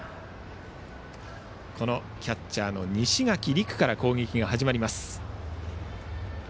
キャッチャーの西垣琉空から攻撃が始まります。